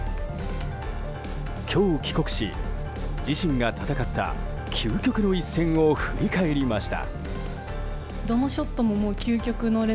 今日帰国し、自身が戦った究極の一戦を振り返りました。